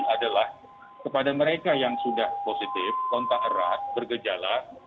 adalah kepada mereka yang sudah positif kontak erat bergejala